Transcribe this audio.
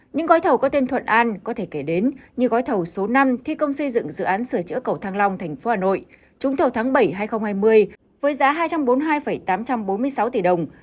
những gói thầu có tên thuận an có thể kể đến như gói thầu số năm thi công xây dựng dự án sửa chữa cầu thăng long tp hà nội trúng thầu tháng bảy hai nghìn hai mươi với giá hai trăm bốn mươi hai tám trăm bốn mươi sáu tỷ đồng